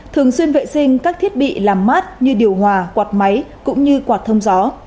thường xuyên vệ sinh các thiết bị làm mát như điều hòa quạt máy cũng như quạt thông gió